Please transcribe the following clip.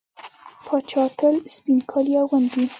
پاچا تل سپين کالي اغوندي .